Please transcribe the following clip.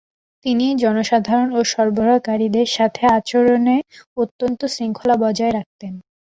তিনি জনসাধারণ ও সরবরাহকারীদের সাথে আচরণে অত্যন্ত শৃঙ্খলা বজায় রাখতেন।